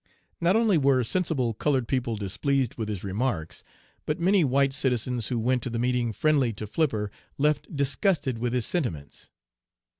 Not only were sensible colored people displeased with his remarks, but many white citizens who went to the meeting friendly to Flipper left disgusted with his sentiments."